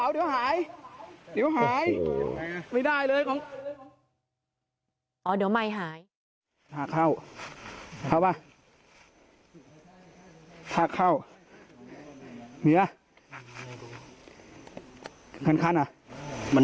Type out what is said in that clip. อ๋อเดี๋ยวไม้หาย